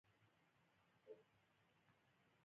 لا د تاک په تا خانو کی، د انگور ښیښی ډکیږی